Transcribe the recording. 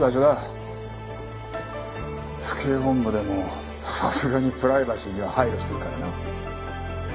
府警本部でもさすがにプライバシーには配慮してるからな。